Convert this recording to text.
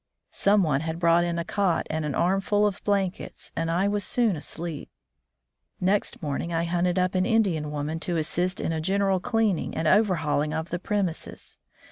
Some one had brought in a cot and an armful of blankets, and I was soon asleep. Next morning I hunted up an Indian woman to assist in a general cleaning and overhauling of the premises.